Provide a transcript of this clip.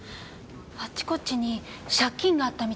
あっちこっちに借金があったみたいで。